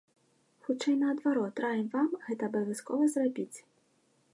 Хутчэй наадварот, раім вам гэта абавязкова зрабіць.